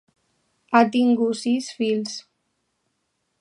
Ha tingut sis fills.